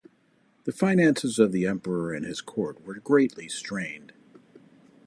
The finances of the emperor and his court were greatly strained.